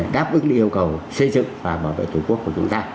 đáp ứng yêu cầu xây dựng và bảo vệ tổ quốc của chúng ta